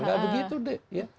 nggak begitu de